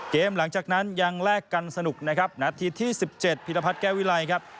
หลังจากนั้นยังแลกกันสนุกนะครับนาทีที่๑๗พิรพัฒน์แก้ววิไลครับ